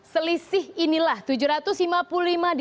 selisih inilah rp tujuh ratus lima puluh lima